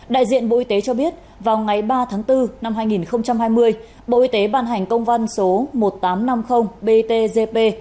đại diện bộ y tế cho biết vào ngày ba tháng bốn năm hai nghìn hai mươi bộ y tế ban hành công văn số một nghìn tám trăm năm mươi btgp